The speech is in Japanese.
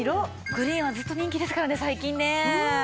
グリーンはずっと人気ですからね最近ね。